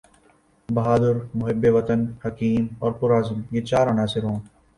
بہادر، محب وطن، حکیم اور پرعزم یہ چار عناصر ہوں۔